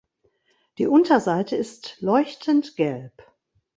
Die Unterseite ist leuchtend gelb.